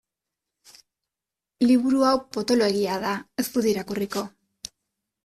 Liburu hau potoloegia da, ez dut irakurriko.